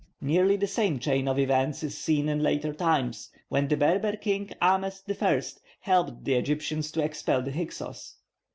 Nearly the same chain of events is seen in later times, when the Berber king Aahmes I helped the Egyptians to expel the Hyksos.